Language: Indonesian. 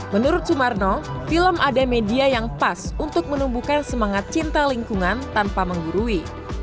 menurut sumarno film ada media yang pas untuk menumbuhkan semangat cinta lingkungan tanpa menggurui